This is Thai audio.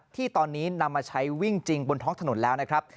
ที่ตอนนี้นำมาใช้วิ่งจริงบนท้องถนนแล้วนะครับ